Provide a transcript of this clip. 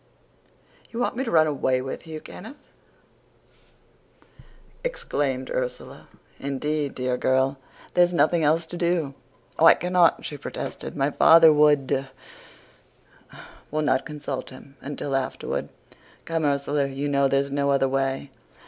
"'You want me to run away with you, Kenneth?' exclaimed Ursula. "'Indeed, dear girl, there's nothing else to do!' "'Oh, I cannot!' she protested. 'My father would ' "'We'll not consult him until afterward. Come, Ursula, you know there's no other way.